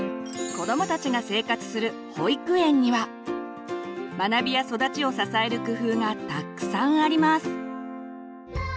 子どもたちが生活する保育園には学びや育ちを支える工夫がたくさんあります。